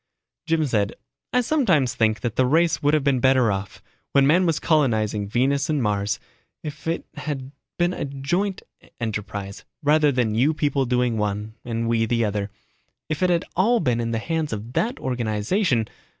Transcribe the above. Jim said, "I sometimes think that the race would have been better off, when man was colonizing Venus and Mars, if it had been a joint enterprise rather than you people doing one, and we the other. If it had all been in the hands of that organization